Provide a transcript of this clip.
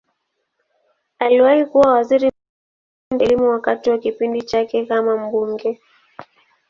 Aliwahi kuwa waziri msaidizi wa Elimu wakati wa kipindi chake kama mbunge.